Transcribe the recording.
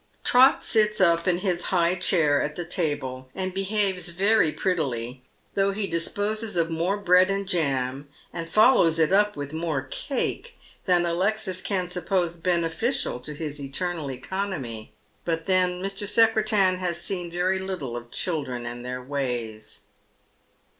Trot sits up in his high chair at the table, and behaves very prettily, though he disposes of more bread and jam, and follows it up with more cake than Alexis can suppose beneficial to his internal economy ; but then Mr. Secretan has seen very little of children and their ways. 238 Dead Men's Shoes.